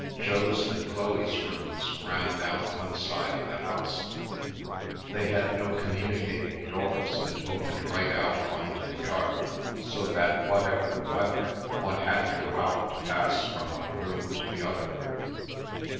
Jo's and Chloe's rooms ran down one side of the house; they had no communicating doors and opened right out on to the yard, so that, whatever the weather, one had to go out to pass from one room to the other.